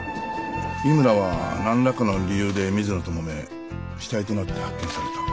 井村はなんらかの理由で水野ともめ死体となって発見された。